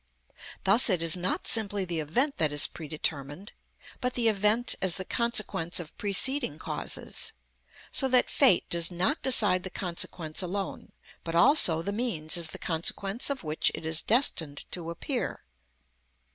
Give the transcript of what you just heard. Thus it is not simply the event that is predetermined, but the event as the consequence of preceding causes; so that fate does not decide the consequence alone, but also the means as the consequence of which it is destined to appear.